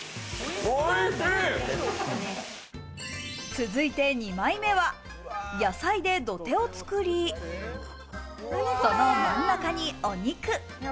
続いて２枚目は、野菜で土手を作り、その真ん中にお肉。